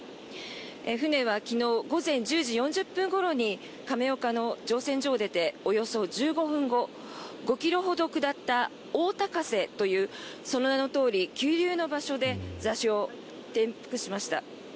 船は昨日午前１０時４０分ごろに亀岡の乗船場を出ておよそ１５分後５ｋｍほど下った大高瀬というその名のとおり急流の場所で座礁、転覆しました。